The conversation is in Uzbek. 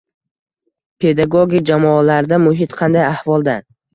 Pedagogik jamoalarda muhit qanday ahvolda?